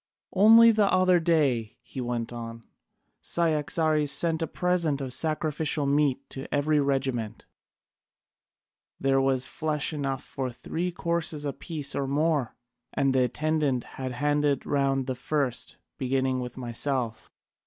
Only the other day," he went on, "Cyaxares sent a present of sacrificial meat to every regiment. There was flesh enough for three courses apiece or more, and the attendant had handed round the first, beginning with myself.